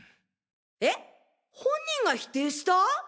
えっ本人が否定した！？